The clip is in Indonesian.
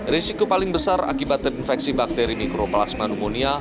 risiko paling besar akibat terinfeksi bakteri mikroplas pneumonia